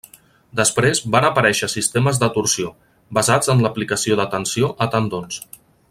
Després van aparèixer sistemes de torsió, basats en l'aplicació de tensió a tendons.